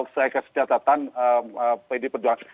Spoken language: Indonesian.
saya kasih catatan pdi perjuangan